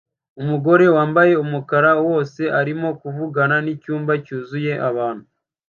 Umugore wambaye umukara wose arimo kuvugana nicyumba cyuzuye abantu